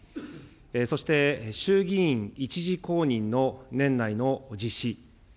そして衆議院１次公認の年内の実施。